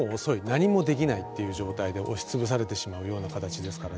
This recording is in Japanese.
何もできないっていう状態で押し潰されてしまうような形ですからね。